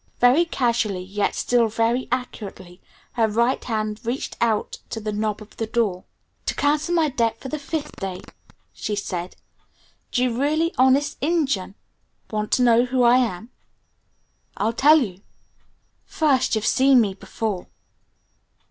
Very casually, yet still very accurately, her right hand reached out to the knob of the door. "To cancel my debt for the fifth day," she said, "do you really 'honest injun' want to know who I am? I'll tell you! First, you've seen me before."